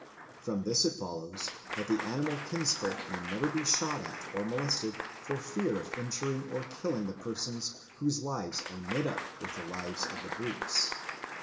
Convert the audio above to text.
From this it follows that the animal kinsfolk may never be shot at or molested for fear of injuring or killing the persons whose lives are knit up with the lives of the brutes.